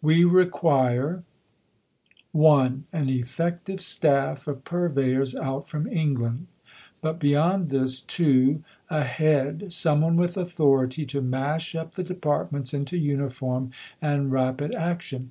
We require: (1) An effective staff of Purveyors out from England but beyond this, (2) A head, some one with authority to mash up the departments into uniform and rapid action.